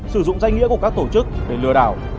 sử dụng danh nghĩa của các tổ chức để lừa đảo